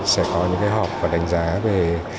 sẽ có những hợp và đánh giá về